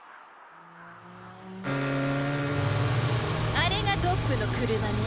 あれがトップのくるまね。